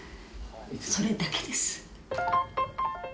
それだけです。